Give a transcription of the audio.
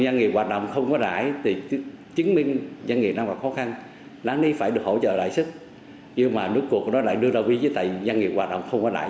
nhưng mà nước cuộc nó lại đưa ra ví chứ tại doanh nghiệp hoạt động không có đại